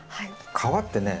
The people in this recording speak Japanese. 皮ってね